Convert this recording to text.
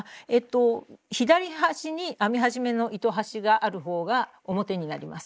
左端に編み始めの糸端があるほうが表になります。